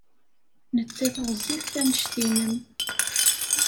Nettat ɣezzifet anect-nnem.